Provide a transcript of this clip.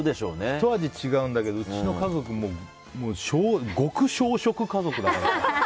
ひと味違うんだけどうちの家族極小食家族だから。